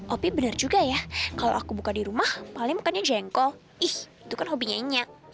opi benar juga ya kalau aku buka di rumah paling makannya jengkol ih itu kan hobinya enyak